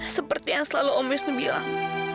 seperti yang selalu om wisnu bilang